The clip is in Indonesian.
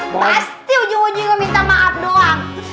pasti ujung ujungnya gue minta maaf doang